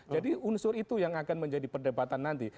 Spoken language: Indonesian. jadi unsur itu yang akan menjadi perdebatan nanti